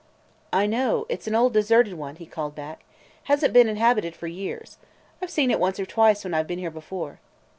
"I know; it 's an old deserted one," he called back. "Has n't been inhabited for years. I 've seen it once or twice when I 've been here before."